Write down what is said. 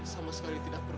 sama sekali tidak pernah